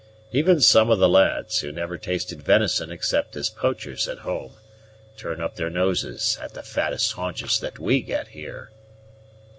Even some of the lads, who never tasted venison except as poachers at home, turn up their noses at the fattest haunches that we get here."